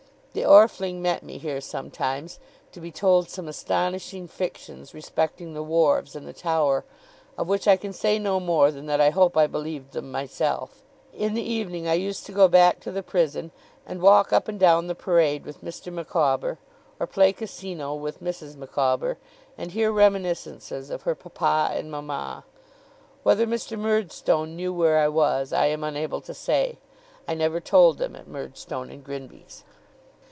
The Orfling met me here sometimes, to be told some astonishing fictions respecting the wharves and the Tower; of which I can say no more than that I hope I believed them myself. In the evening I used to go back to the prison, and walk up and down the parade with Mr. Micawber; or play casino with Mrs. Micawber, and hear reminiscences of her papa and mama. Whether Mr. Murdstone knew where I was, I am unable to say. I never told them at Murdstone and Grinby's.